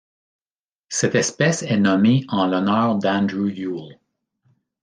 Cette espèce est nommée en l'honneur d'Andrew Yule.